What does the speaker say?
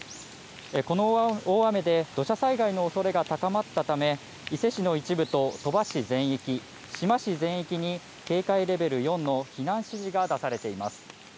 この大雨で土砂災害のおそれが高まったため、伊勢市の一部と鳥羽市全域、志摩市全域に警戒レベル４の避難指示が出されています。